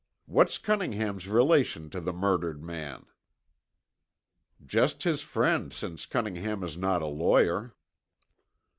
What's Cunningham's relation to the murdered man?" "Just his friend since Cunningham is not a lawyer."